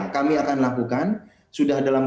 kami akan lakukan sudah dalam